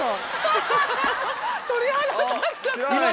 鳥肌立っちゃった。